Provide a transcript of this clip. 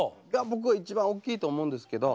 僕は一番大きいと思うんですけど